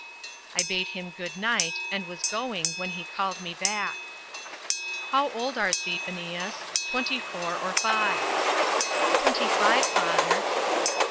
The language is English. I bade him good night, and was going, when he called me back. "How old art thee, Phineas twenty four or five?" "Twenty five, father."